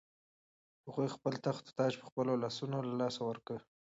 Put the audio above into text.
هغوی خپل تخت او تاج په خپلو لاسونو له لاسه ورکړ.